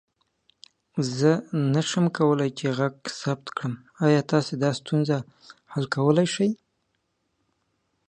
زه نسم کولى چې غږ ثبت کړم، آيا تاسو دا ستونزه حل کولى سې؟